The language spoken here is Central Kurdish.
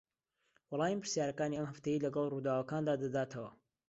وەڵامی پرسیارەکانی ئەم هەفتەیەی لەگەڵ ڕووداوەکاندا دەداتەوە